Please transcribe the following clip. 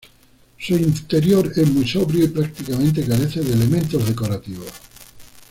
Su interior es muy sobrio y prácticamente carece de elementos decorativos.